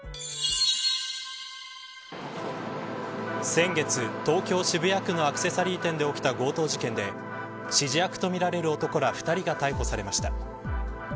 先月、東京渋谷区のアクセサリー店で起きた強盗事件で指示役とみられる男ら２人が逮捕されました。